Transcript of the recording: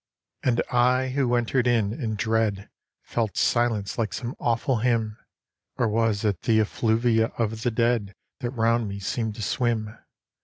VI And I, who entered in, in dread Felt silence like some awful hymn Or was 't the effluvia of the dead That round me seemed to swim?